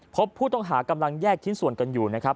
พบผู้ต้องหากำลังแยกชิ้นส่วนกันอยู่นะครับ